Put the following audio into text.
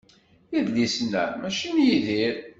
Idlisen-a mačči n Yidir.